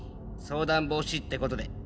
相談防止って事で。